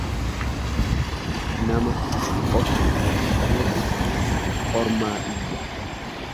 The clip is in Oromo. Nama ofi bahetu ormaa iyya.